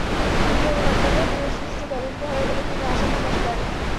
দুজনের হত্যার ঘটনায় সুষ্ঠু তদন্ত হবে বলে তিনি আশা প্রকাশ করেন।